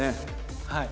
はい。